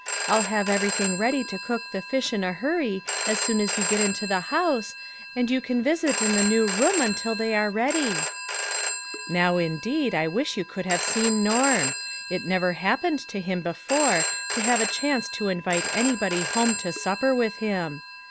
I'll have everything ready to cook the fish in a hurry as soon as you get into the house, and you can visit in the new room until they are ready." 204 A COMPLETE SUCCESS. 205 Now indeed, I wish you could have seen Norm ! It never happened to him before to have a chance to invite anybody home to supper with him.